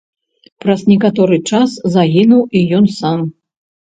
Праз некаторы час загінуў і ён сам.